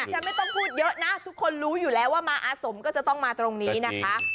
ฉันไม่ต้องพูดเยอะนะทุกคนรู้อยู่แล้วว่ามาอาสมก็จะต้องมาตรงนี้นะคะ